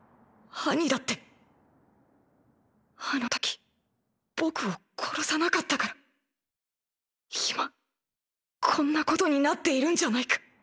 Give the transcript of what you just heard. アニだってあの時僕を殺さなかったから今こんなことになっているんじゃないか。